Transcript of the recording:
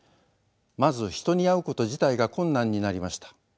まず人に会うこと自体が困難になりました。